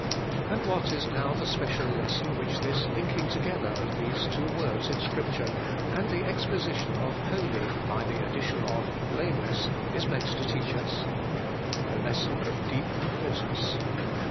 And what is now the special lesson which this linking together of these two words in Scripture, and the exposition of holy by the addition of blameless, is meant to teach us ? A lesson of deep importance.